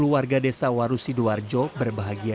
dua puluh warga desa waru sidoarjo berbahagia